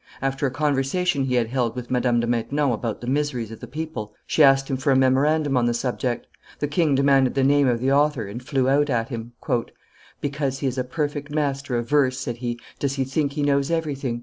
After a conversation he had held with Madame de Maintenon about the miseries of the people, she asked him for a memorandum on the subject. The king demanded the name of the author, and flew out at him. "Because he is a perfect master of verse," said he, "does he think he knows everything?